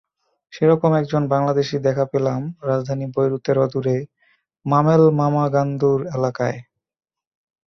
সেরকম একজন বাংলাদেশির দেখা পেলাম রাজধানী বৈরুতের অদূরে মামেল মামাগানদুর এলাকায়।